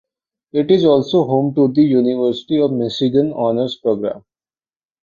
It is also home to the University of Michigan Honors Program.